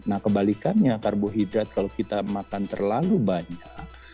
nah kebalikannya karbohidrat kalau kita makan terlalu banyak